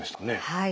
はい。